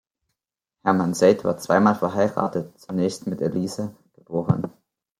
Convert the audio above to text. Hermann Seyd war zweimal verheiratet, zunächst mit Elise, geb.